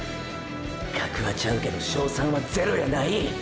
格はちゃうけど勝算はゼロやない！！